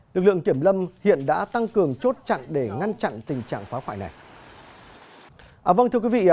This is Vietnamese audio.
lực lượng kiểm lâm hiện đã tăng cường chốt chặn để ngăn chặn tình trạng phá khoại này